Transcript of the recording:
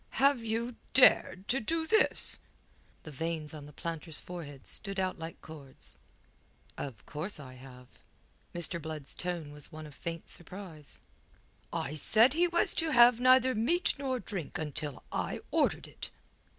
"Have you dared to do this?" The veins on the planter's forehead stood out like cords. "Of course I have." Mr. Blood's tone was one of faint surprise. "I said he was to have neither meat nor drink until I ordered it."